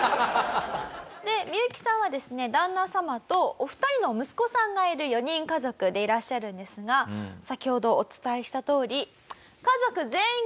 ミユキさんはですね旦那様とお二人の息子さんがいる４人家族でいらっしゃるんですが先ほどお伝えしたとおり。